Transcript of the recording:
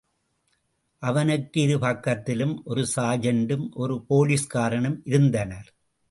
அவனுக்கு இரு பக்கத்திலும் ஒரு சார்ஜென்டும், ஒரு போலிஸ்காரனும் இருந்தனர்.